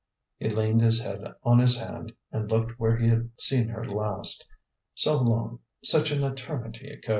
He leaned his head on his hand and looked where he had seen her last so long, such an eternity, ago.